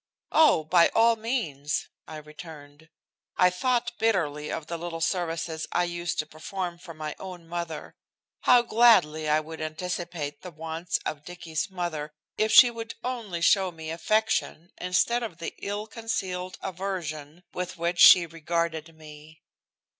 "Oh! by all means," I returned. I thought bitterly of the little services I used to perform for my own mother. How gladly I would anticipate the wants of Dicky's mother if she would only show me affection instead of the ill concealed aversion with which she regarded me.